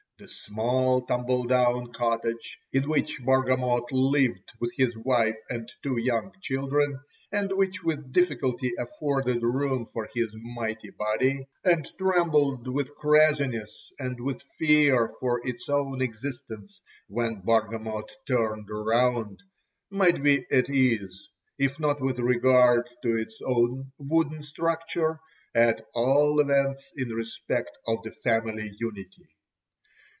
The small tumble down cottage, in which Bargamot lived with his wife and two young children, and which with difficulty afforded room for his mighty body, and trembled with craziness and with fear for its own existence whenever Bargamot turned round, might be at ease, if not with regard to its own wooden structure, at all events in respect of the family unity.